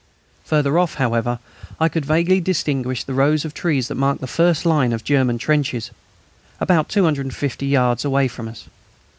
Further off, however, I could vaguely distinguish the row of trees that marked the first line of German trenches, about 250 yards away from us.